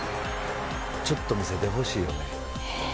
ちょっと見せてほしいよね。